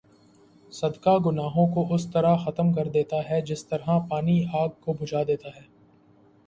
صدقہ گناہوں کو اس طرح ختم کر دیتا ہے جس طرح پانی آگ کو بھجا دیتا ہے